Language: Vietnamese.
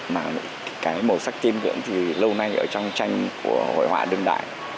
mà màu sắc tín ngưỡng thì lâu nay ở trong tranh của hội họa đương đại